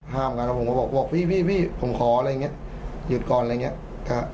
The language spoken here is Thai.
ห้ามกันครับผมก็บอกพี่ผมขออะไรอย่างนี้